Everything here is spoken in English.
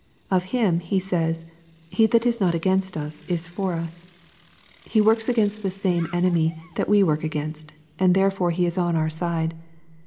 Of him He says, " He that ia not against us, is for us." He works against the same enemy tljat we work against, and therefore be is on our side.